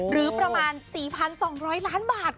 หรือประมาณ๔๒๐๐ล้านบาท